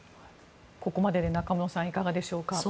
ここまでで中室さんいかがでしょうか。